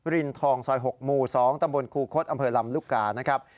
รินทองซอย๖หมู่๒ตำบลครูคสอำเภอลำลุกกา